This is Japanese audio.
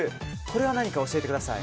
これは何か、教えてください。